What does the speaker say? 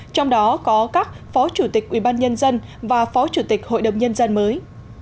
trong đó có các phó chủ tịch ubnd và phó chủ tịch hội đồng nhân dân mới